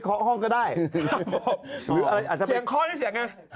ก๊อกก๊อกก๊อกก๊อกก๊อก